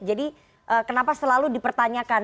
jadi kenapa selalu dipertanyakan